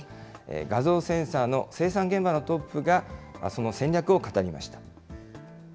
画像センサーの生産現場のトップが、その戦略を語りました。